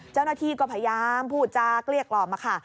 เจ้าหน้าที่ก็พยายามพูดจากเกลี้ยกล่อมค่ะ